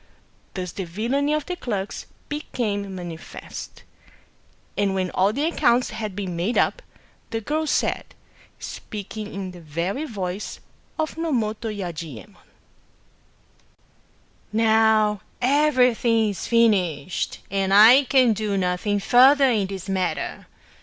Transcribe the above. Thus the villany of the clerks became manifest. And when all the accounts had been made up, the girl said, speaking in the very voice of Nomoto Yajiyemon :—" Now everything is finished ; and I can do Digitized by Googk 42 SHIRYO nothing further in the matter.